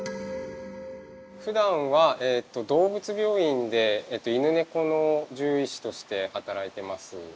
ふだんは動物病院で犬猫の獣医師として働いてます。